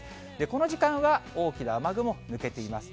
この時間は大きな雨雲、抜けています。